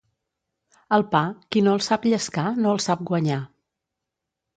El pa, qui no el sap llescar, no el sap guanyar.